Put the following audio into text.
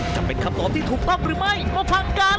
จะเป็นคำตอบที่ถูกต้องหรือไม่มาฟังกัน